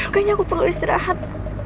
kayaknya aku perlu istirahat